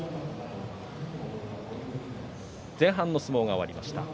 前半の相撲が終わりました。